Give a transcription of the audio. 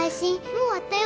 もう終わったよ。